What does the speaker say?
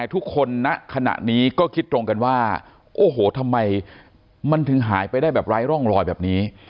ณขณะนี้ก็คิดตรงกันว่าโอ้โหทำไมมันถึงหายไปได้แบบไร้ร่องรอยแบบนี้